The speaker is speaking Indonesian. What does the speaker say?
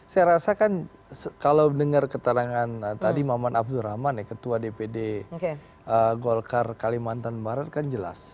saya rasa kan kalau dengar keterangan tadi maman abdurrahman ya ketua dpd golkar kalimantan barat kan jelas